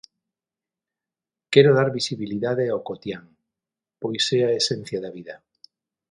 Quero dar visibilidade ao cotián, pois é a esencia da vida.